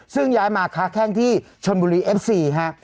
ซึ่งย้ายมาค้าแข้งที่ชนบุรีเอฟซีฮะ